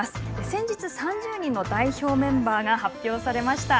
先日３０人の代表メンバーが発表されました。